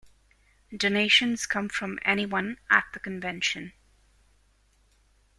Donations come from anyone at the convention.